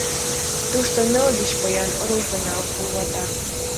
Тушто ныл-вич поян руш гына вуйлата.